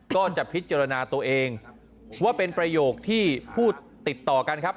ก็จะพิจารณาตัวเองว่าเป็นประโยคที่พูดติดต่อกันครับ